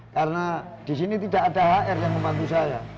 karena disini tidak ada hr yang membantu saya